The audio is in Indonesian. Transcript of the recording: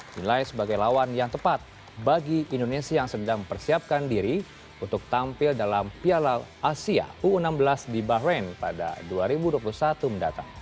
dinilai sebagai lawan yang tepat bagi indonesia yang sedang mempersiapkan diri untuk tampil dalam piala asia u enam belas di bahrain pada dua ribu dua puluh satu mendatang